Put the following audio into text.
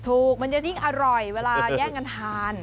มันจะยิ่งอร่อยเวลาแย่งกันทาน